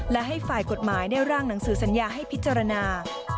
และให้ฝ่ายกฎหมายได้ร่างหนังสือสัญญาให้พิจารณา